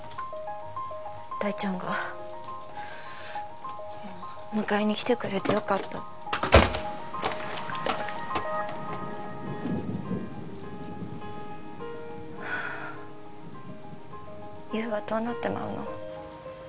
大ちゃんが迎えに来てくれてよかった優はどうなってまうの？